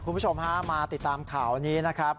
คุณผู้ชมฮะมาติดตามข่าวนี้นะครับ